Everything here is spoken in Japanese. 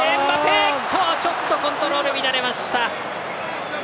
ちょっとコントロール乱れました。